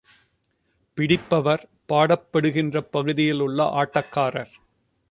பிடிப்பவர் பாடப்படுகின்ற பகுதியில் உள்ள ஆட்டக்காரர்.